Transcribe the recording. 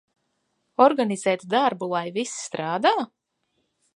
Organizēt darbu, lai viss strādā?